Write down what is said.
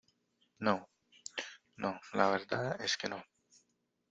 no. no, la verdad es que no .